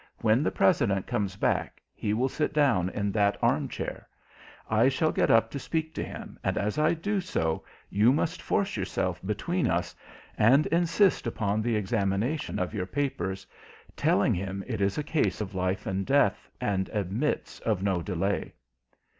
When the President comes back, he will sit down in that arm chair. I shall get up to speak to him, and as I do so you must force yourself between us, and insist upon the examination of your papers, telling him it is a case of life and death, and admits of no delay."